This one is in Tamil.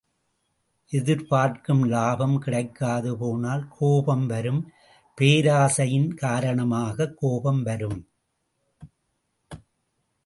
எதிர்பார்க்கும் லாபம் கிடைக்காது போனால் கோபம் வரும் பேராசையின் காரணமாகக் கோபம் வரும்.